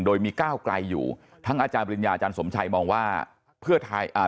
โดยมีก้าวไกลอยู่ทั้งอาจารย์ปริญญาอาจารย์สมชัยมองว่าเพื่อไทยอ่า